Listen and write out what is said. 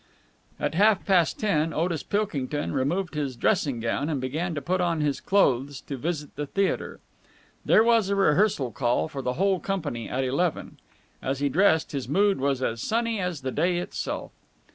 At half past ten, Otis Pilkington removed his dressing gown and began to put on his clothes to visit the theatre. There was a rehearsal call for the whole company at eleven. As he dressed, his mood was as sunny as the day itself.